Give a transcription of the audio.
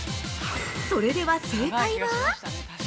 ◆それでは正解は。